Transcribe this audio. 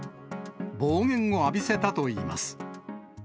暴言を浴びせたといいます。